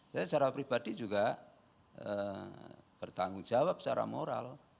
saya secara pribadi juga bertanggung jawab secara moral